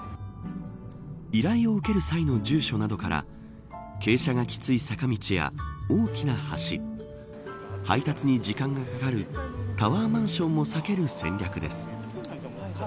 依頼を受ける際の住所などから傾斜がきつい坂道や大きな橋配達に時間がかかるタワーマンションも避ける戦略です。